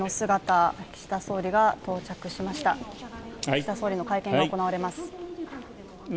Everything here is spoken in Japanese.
岸田総理の会見が行われます。